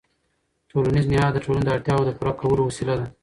ټولنیز نهاد د ټولنې د اړتیاوو د پوره کولو وسیله ده.